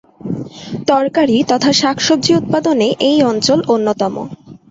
তরকারি তথা শাকসবজি উৎপাদনে এই অঞ্চল অন্যতম।